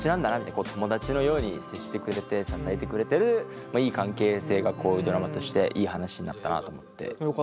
友達のように接してくれて支えてくれてるいい関係性がこういうドラマとしていい話になったなと思って。